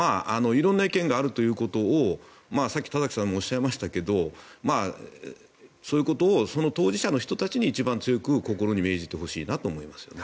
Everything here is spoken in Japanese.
色んな意見があるということをさっき田崎さんもおっしゃいましたけどそういうことをその当事者の人に一番強く心に銘じてほしいなと思います。